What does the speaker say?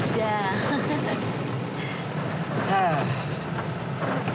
kok ya masih ada